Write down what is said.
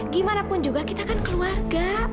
gimanapun juga kita kan keluarga